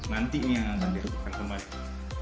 nanti nih yang nanti akan kembali